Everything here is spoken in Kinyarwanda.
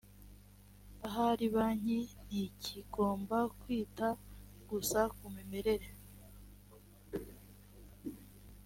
ahari banki ntikigomba kwita gusa ku mimerere